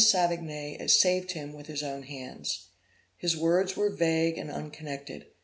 Savigny saved him with his own hands. His words were vague and unconnected.